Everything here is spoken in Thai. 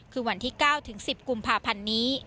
คือวันที่๙ถึง๑๐กุมภาพันธ์นี้